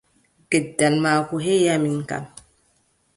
Gendal maako heʼi am min kam!